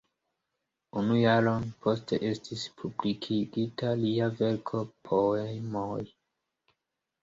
Unu jaron poste estis publikigita lia verko "Poemoj.